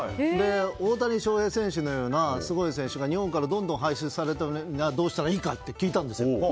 大谷翔平選手のようなすごい選手が日本からどんどん輩出されるためにはどうしたらいいかって聞いたんですよ。